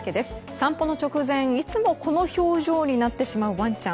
散歩の直前いつも、この表情になってしまうワンちゃん。